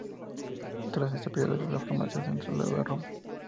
Tras este período de formación se trasladó a Roma.